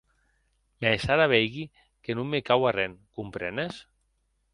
Mès ara veigui que non me cau arren, comprenes,?